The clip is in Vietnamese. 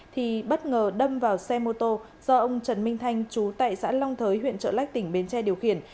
thì bất ngờ đâm vào xe mô tô do ông trần minh thanh chú tại xã long thới huyện trợ lách tỉnh bến tre điều khiển